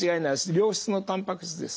良質のたんぱく質です。